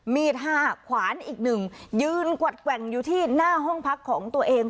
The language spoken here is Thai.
ห้าขวานอีกหนึ่งยืนกวัดแกว่งอยู่ที่หน้าห้องพักของตัวเอง